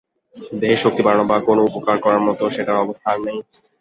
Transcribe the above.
দেহের শক্তি বাড়ানো বা কোনো উপকার করার মতো সেটার অবস্থা আর নেই।